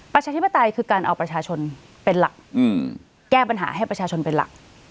ประชาธิปไตยคือการเอาประชาชนเป็นหลักแก้ปัญหาให้ประชาชนเป็นหลัก